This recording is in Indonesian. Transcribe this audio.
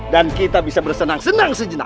dan kita bisa bersenang senang sejenak